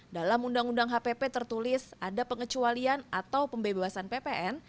dalam undang undang hpp tertulis ada pengecualian atau pembebasan ppn